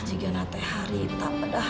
jika nanti hari tak pedah